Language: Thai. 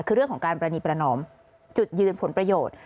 คือเรื่องของการปรณีประนอมจุดยืนผลประโยชน์